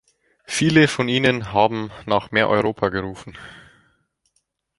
Viele von Ihnen haben nach mehr Europa gerufen.